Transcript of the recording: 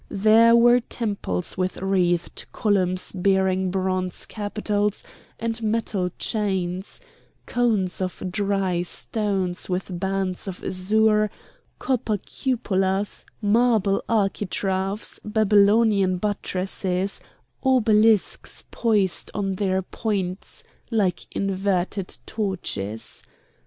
There were temples with wreathed columns bearing bronze capitals and metal chains, cones of dry stones with bands of azure, copper cupolas, marble architraves, Babylonian buttresses, obelisks poised on their points like inverted torches.